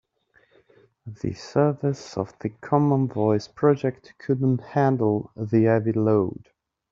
The servers of the common voice project couldn't handle the heavy load.